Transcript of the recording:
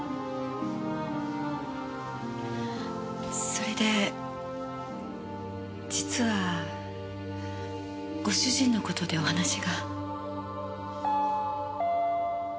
それで実はご主人の事でお話が。